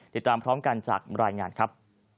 ติดตามพร้อมกันจากรายงานครับ